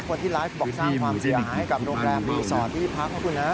คนที่ไลฟ์บอกสร้างความเสียหายให้กับโรงแรมรีสอร์ทที่พักนะคุณนะ